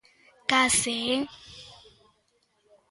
Case é.